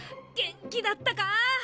元気だったか。